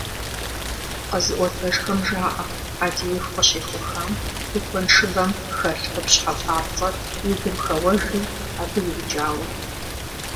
Къэзыӏуэтэжхэм жаӏэ, ӏэдииху къыщехуэхам и куэншыбэм хэлъ къупщхьэ папцӏэр и гум хэуэжри, абы иукӏауэ.